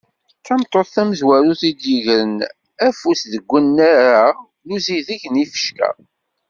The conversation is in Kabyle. D tameṭṭut tamzwarut i d-yegren afus deg unnar-a n usideg n yifecka.